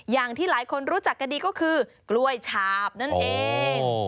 อย่างที่หลายคนรู้จักกันดีก็คือกล้วยฉาบนั่นเอง